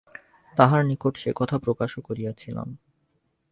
তাঁহার নিকট সে কথা প্রকাশও করিয়াছিলাম।